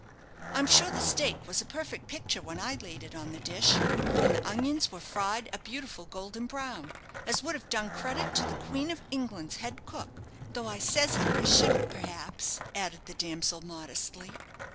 I'm sure the steak was a perfect picture when I laid it on the dish, and the onions were fried a beautiful golden brown, as would have done credit to the Queen of England's head cook, though I says it as shouldn't perhaps," added the damsel, modestly.